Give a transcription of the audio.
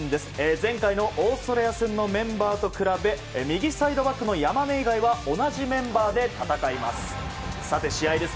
前回のオーストラリア戦のメンバーと比べ右サイドバックの山根以外は同じメンバーで戦います。